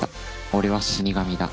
俺は死神だ。